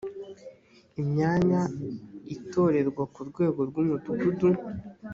imyanya itorerwa ku rwego rw umudugudu